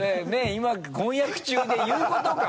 今婚約中で言うことか？